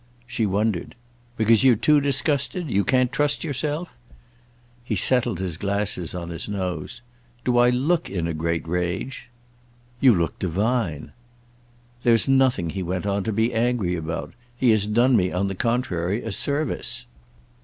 She wondered. "Because you're too disgusted? You can't trust yourself?" He settled his glasses on his nose. "Do I look in a great rage?" "You look divine!" "There's nothing," he went on, "to be angry about. He has done me on the contrary a service."